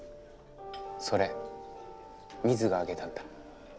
それミズがあげたんだ。